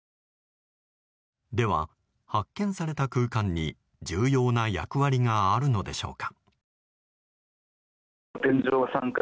では、発見された空間に重要な役割があるのでしょうか。